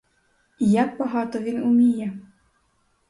І як багато він уміє!